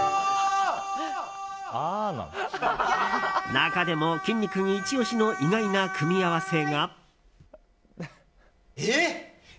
中でも、きんに君イチ押しの意外な組み合わせが。